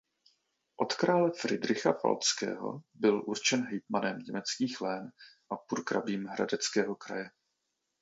Od krále Fridricha Falckého byl určen hejtmanem německých lén a purkrabím hradeckého kraje.